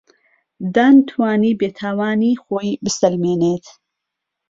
دان توانی بێتاوانی خۆی بسەلمێنێت.